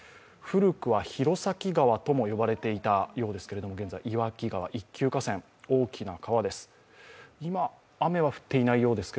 古くは弘前川とも呼ばれていたようですが現在、岩木川、一級河川大きな川です。